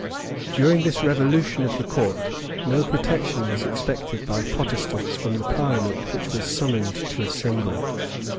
During this revolution of the court, no protection was expected by Protestants from the Parliament which was summoned to assemble.